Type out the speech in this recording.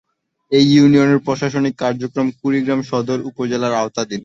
এ ইউনিয়নের প্রশাসনিক কার্যক্রম কুড়িগ্রাম সদর উপজেলার আওতাধীন।